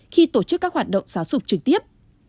khi tổ chức các hoạt động giáo dục trực tiếp